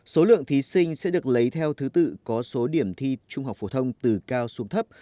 số lượng thí sinh sẽ được lấy theo thứ tự có số điểm thi trung học phổ thông từ cao xuống thấp